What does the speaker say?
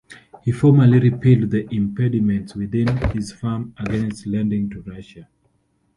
He formally repealed the impediments within his firm against lending to Russia.